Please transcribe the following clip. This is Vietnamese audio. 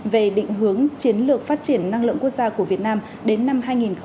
về định hướng chiến lược phát triển năng lượng quốc gia của việt nam đến năm hai nghìn ba mươi